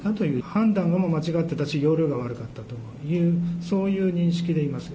判断が間違ってたし、要領が悪かったという、そういう認識でいます。